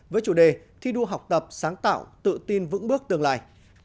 với chủ đề thi đua học tập sáng tạo tự tin vững bước tương lai